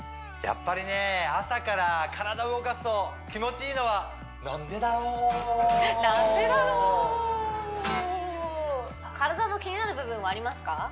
やっぱりね朝から体動かすと気持ちいいのはなんでだろうなんでだろう体の気になる部分はありますか？